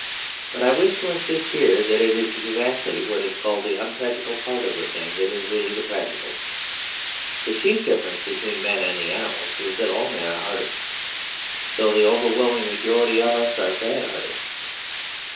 But I wish to insist here that it is exactly what is called the unpractical part of the thing that is really the practical. The chief difference between men and the animals is that all men are artists; though the overwhelming majority of us are bad artists.